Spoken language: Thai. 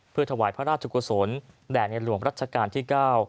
เพื่อถวายพระราชกุศลแด่ในหลวงรัชกาลที่๙